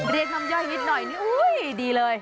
เรียกน้ำย่อยนิดหน่อยนี่อุ้ยดีเลย